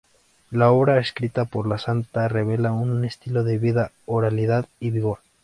La obra escrita por la santa revela un estilo de viva oralidad y vigor.